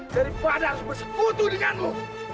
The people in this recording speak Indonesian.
daripada harus bersekutu denganmu